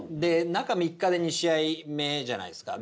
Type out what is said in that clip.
中３日で２試合目じゃないっすか。